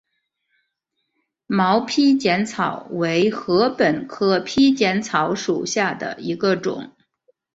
毛披碱草为禾本科披碱草属下的一个种。